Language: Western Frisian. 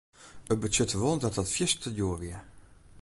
It betsjutte wol dat dat fierste djoer wie.